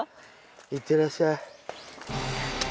いってらっしゃい。